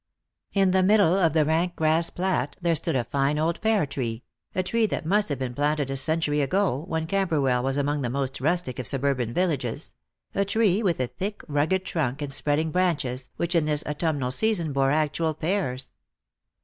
In the middle of the rank grass plat there stood a fine old pear tree — a tree that must have been planted a century ago, when Cam berwell was among the most rustic of suburban villages — a tree with a thick rugged trunk and spreading branches, which in this autumnal season bore actual pears.